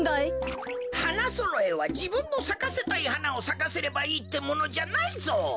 花そろえはじぶんのさかせたいはなをさかせればいいってものじゃないぞ。